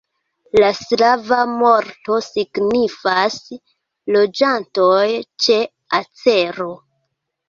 La slava vorto signifas: loĝantoj ĉe acero.